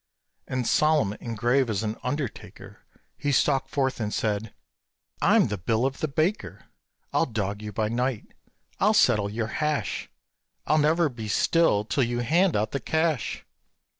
As solemn and grave as an undertaker He stalked forth and said, "I'm the bill of the baker; I'll dog you by night I'll settle your hash I'll never be still till you hand out the cash."